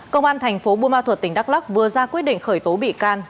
công an thành phố buôn ma thuật tỉnh đắk lắc vừa ra quyết định khởi tố bị can